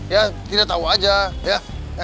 ya tidak tahu aja ya